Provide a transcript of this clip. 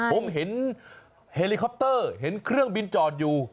ผมเห็นเฮลิคอปเตอร์เห็นเครื่องบินจอดอยู่